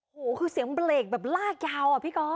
โอ้โหคือเสียงเบรกแบบลากยาวอะพี่ก๊อฟ